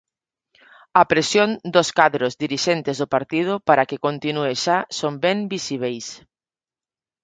A presión dos cadros dirixentes do partido para que continúe xa son ben visíbeis.